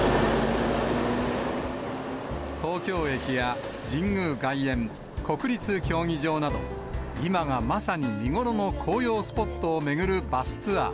東京駅や神宮外苑、国立競技場など、今がまさに見頃の紅葉スポットを巡るバスツアー。